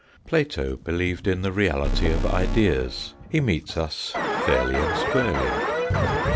Plato believed in the reality of ideas. He meets us fairly and squarely.